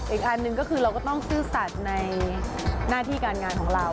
อีกอันหนึ่งก็คือเราก็ต้องซื่อสัตว์ในหน้าที่การงานของเรา